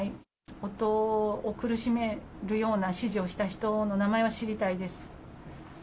夫を苦しめるような指示をした人の名前は知りたいです。